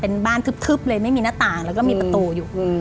เป็นบ้านทึบเลยไม่มีหน้าต่างแล้วก็มีประตูอยู่